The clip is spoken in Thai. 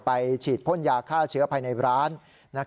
ฉีดพ่นยาฆ่าเชื้อภายในร้าน